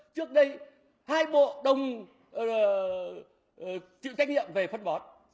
trước đây hai bộ đồng chịu trách nhiệm về phân bón